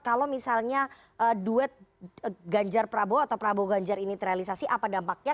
kalau misalnya duet ganjar prabowo atau prabowo ganjar ini terrealisasi apa dampaknya